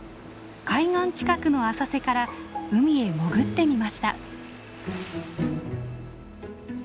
海岸近くの浅瀬から海へ潜ってみました。